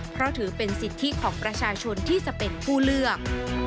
เพราะถือเป็นสิทธิของประชาชนที่จะเป็นผู้เลือก